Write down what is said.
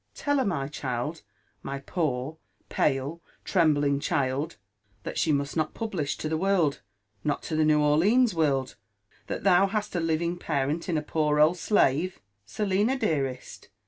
Tell her, my child,— my poor, pale, trembling child, — that she must not publish to the world, nol to the New Orleans world, that thou hast a living parent in a poor old slave. Selina, dearest!